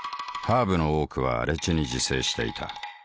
ハーブの多くは荒地に自生していた。